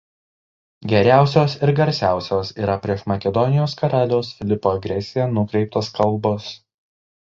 Geriausios ir garsiausios yra prieš Makedonijos karaliaus Filipo agresiją nukreiptos kalbos.